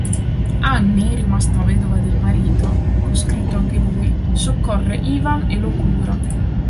Anni, rimasta vedova del marito, coscritto anche lui, soccorre Ivan e lo cura.